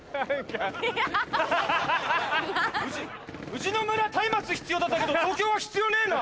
うちの村たいまつ必要だったけど東京は必要ねえな！